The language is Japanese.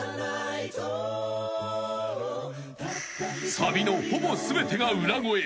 ［サビのほぼ全てが裏声］